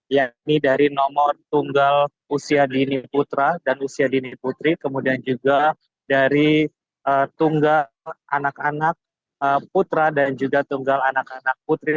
yakni dari nomor tunggal usia dini putra dan usia dini putri kemudian juga dari tunggal anak anak putra dan juga tunggal anak anak putri